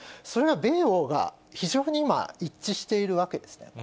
それが米欧が非常に今、一致しているわけですね。